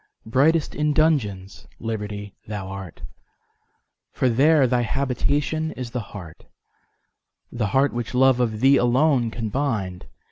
Brightest in dungeons, Liberty! thou art, For there thy habitation is the heart—The heart which love of Thee alone can bind.